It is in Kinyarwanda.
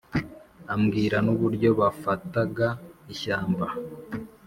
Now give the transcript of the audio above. ambwira n’uburyo bafataga ishyamba